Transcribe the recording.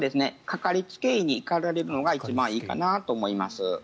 かかりつけ医に行かれるのが一番いいかなと思います。